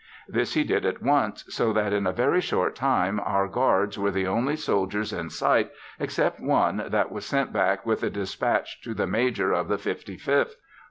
This he did at once, so that in a very short time our guards were the only soldiers in sight except one that was sent back with a dispatch to the Major of the fifty fifth.